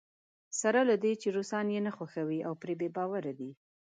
سره له دې چې روسان یې نه خوښېږي او پرې بې باوره دی.